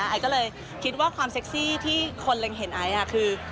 ไอก็เลยคิดว่าความเซ็กซี่ที่คนเห็นไอคือ